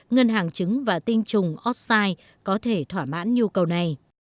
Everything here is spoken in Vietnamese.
ngân hàng trứng và tinh trùng oxide có thể thỏa mãn nhu cầu này